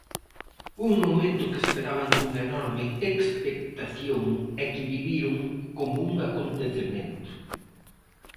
Un momento que esperaban con enorme expectación e que viviron como un acontecemento.